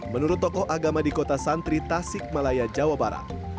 menurut tokoh agama di kota santri tasik malaya jawa barat